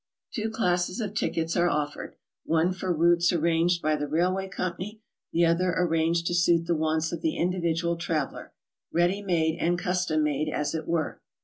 Two classes of tickets are offered, one for routes ar ranged by the railway company, the other arranged to suit the wants of the individual traveler — ready made and custom made, as it were.